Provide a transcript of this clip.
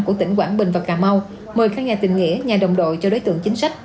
của tỉnh quảng bình và cà mau mời các nhà tình nghĩa nhà đồng đội cho đối tượng chính sách